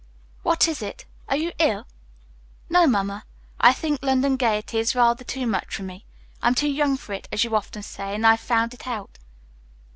"What is it? Are you ill?" "No, Mamma; I think London gaiety is rather too much for me. I'm too young for it, as you often say, and I've found it out."